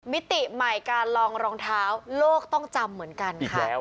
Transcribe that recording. มิติใหม่การลองรองเท้าโลกต้องจำเหมือนกันค่ะ